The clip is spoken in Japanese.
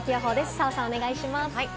澤さん、お願いします。